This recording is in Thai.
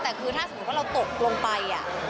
แต่คือถ้าสมมุติว่าเราตกลงไป